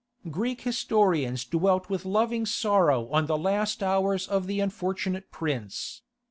Greek historians dwelt with loving sorrow on the last hours of the unfortunate prince.